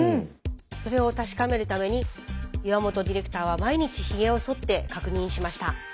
それを確かめるために岩本ディレクターは毎日ひげをそって確認しました。